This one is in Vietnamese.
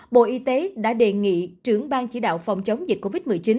bộ y tế đã đề nghị trưởng bang chỉ đạo phòng chống dịch covid một mươi chín